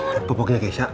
ma popoknya keksa